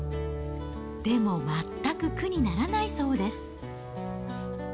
でも全く苦にならないそうです。